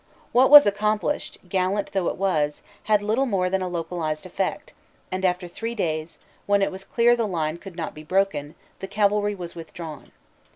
What was accomplished, gallant though it was, had little more than a localized effect, and after three days, when it was clear the line could not be broken, the cavalry was withdrawn.